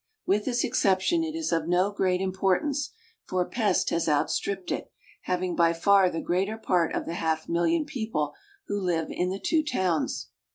With this exception it is of no great importance, for Pest has outstripped it, having by far the greater part of the half million people who live in the two towns.